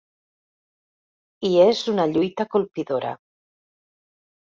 I és una lluita colpidora.